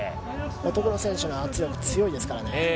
乙黒選手の圧力、強いですからね。